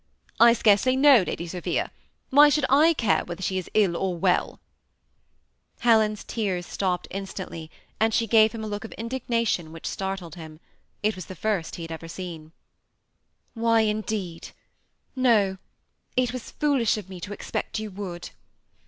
" I scarcely know Lady Sophia ; why should I care whether she is ill or well?" 208 THE SEm ATTAGHED COUPLE. Helen's tears stopped instantly, and she gave bim a look of indignation which startled him. It was the first he had ever seen. ^ Why, indeed ? No, it was foolish of me to expect you woold.